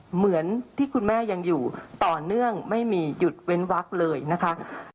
เหมือนที่คุณแม่ยังอยู่ต่อเนื่องไม่มีหยุดเว้นวักเลยนะคะ